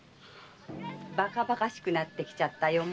バカバカしくなってきたよ。